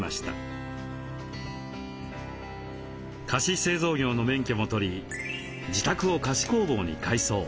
菓子製造業の免許も取り自宅を菓子工房に改装。